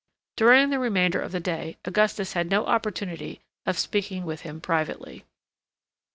During the remainder of the day Augustus had no opportunity of speaking with him privately.